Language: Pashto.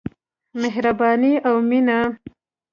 مهرباني او مينه.